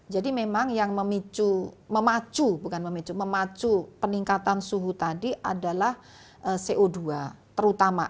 jadi memang yang memacu peningkatan suhu tadi adalah co dua terutama